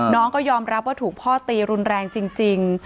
น้องก็ยอมรับว่าถูกพ่อตีรุนแรงจริง